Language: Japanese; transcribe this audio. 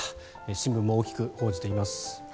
新聞も大きく報じています。